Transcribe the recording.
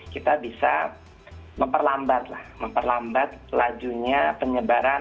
kita bisa memperlambat lah memperlambat lajunya penyebaran